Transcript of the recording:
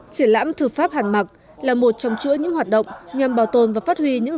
triển lãm thư pháp hàn mặc là một trong chuỗi những hoạt động nhằm bảo tồn và phát huy những